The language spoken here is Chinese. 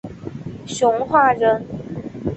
熊化人。